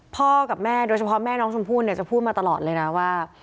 พ่อกับแม่โดยเฉพาะแม่น้องชมพู่เนี่ยจะพูดมาตลอดเลยนะว่า